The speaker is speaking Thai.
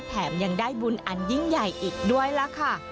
แถมยังได้บุญอันยิ่งใหญ่อีกด้วยล่ะค่ะ